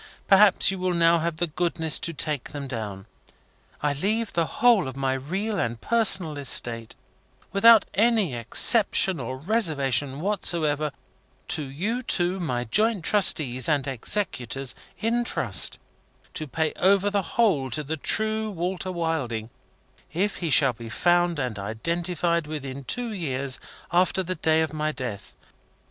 Perhaps you will now have the goodness to take them down. I leave the whole of my real and personal estate, without any exception or reservation whatsoever, to you two, my joint trustees and executors, in trust to pay over the whole to the true Walter Wilding, if he shall be found and identified within two years after the day of my death.